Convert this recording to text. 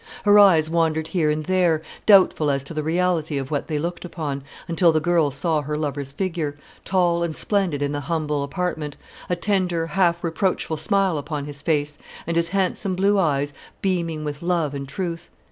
Her eyes wandered here and there, doubtful as to the reality of what they looked upon, until the girl saw her lover's figure, tall and splendid in the humble apartment, a tender half reproachful smile upon his face, and his handsome blue eyes beaming with love and truth.